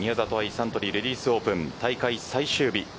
サントリーレディスオープン大会最終日。